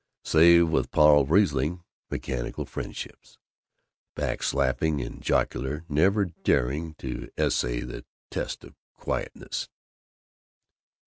Save with Paul Riesling, mechanical friendships back slapping and jocular, never daring to essay the test of quietness.